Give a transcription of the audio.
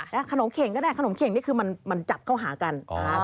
ขนมเข่งก็ได้ขนมเข่งนี่คือมันจับเข้าหากัน